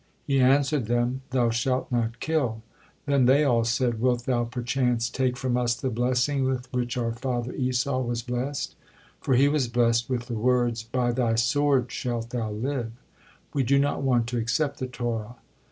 He answered them, "Thou shalt not kill." Then they all said: "Wilt Thou perchance take from us the blessing with which our father Esau was blessed? For he was blessed with the words, 'By thy sword shalt thou live." We do not want to accept the Torah."